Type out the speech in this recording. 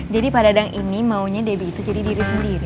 jadi pak dadang ini maunya debbie itu jadi diri sendiri